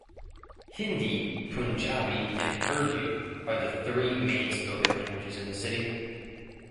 Hindi, Punjabi and Urdu are the three main spoken languages in the city.